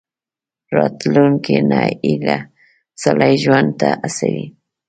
راتلونکي ته هیله، سړی ژوند ته هڅوي.